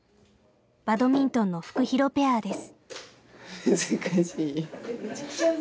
バドミントンのフクヒロペアです。